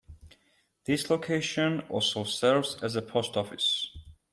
This location also serves as a post office.